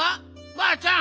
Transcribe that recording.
ばあちゃん！